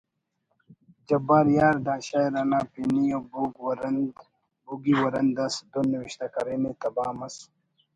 جبار یارؔ دا شعر انا پنی ءُ بوگی ورند اس دُن نوشتہ کرینے: تباہ مس